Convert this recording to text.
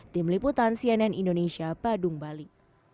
di meliputan cnn indonesia badung bali